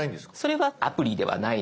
それはアプリではないので。